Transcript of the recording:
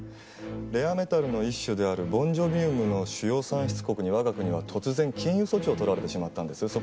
レアメタルの一種であるボンジョビウムの主要産出国に我が国は突然禁輸措置を取られてしまったんです。